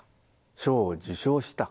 賞を受賞した。